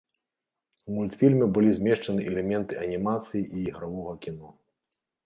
У мультфільме былі змешчаны элементы анімацыі і ігравога кіно.